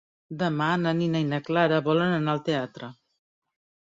Demà na Nina i na Clara volen anar al teatre.